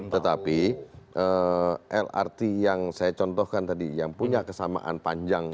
tetapi lrt yang saya contohkan tadi yang punya kesamaan panjang